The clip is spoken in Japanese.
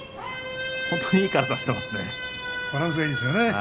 本当に、いい体してますね。